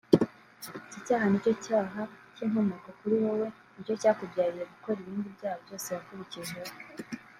Iki cyaha nicyo cyaha k’inkomoko kuri wowe nicyo cyakubyariye gukora ibindi byaha byose wakurikijeho